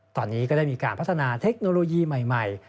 ตอนนี้ก็ได้มีการพัฒนาเทคโนโลยีใหม่